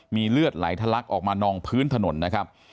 มีเลือดไหลทะลักออกมานองพื้นถนนนะครับ